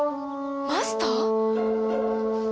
マスター！？